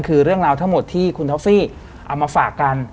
คือเรื่องราวทั้งหมดที่คุณท็อฟฟี่เอามาฝากกัน